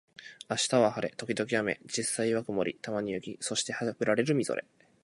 明日は晴れ、時々雨、実際は曇り、たまに雪、そしてハブられるみぞれ